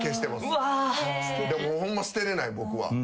ホンマ捨てれない僕は。